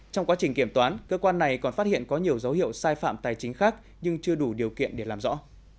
trong quá trình kiểm toán cơ quan này còn phát hiện có nhiều dấu hiệu sai phạm tài chính khác nhưng chưa đủ điều kiện để làm rõ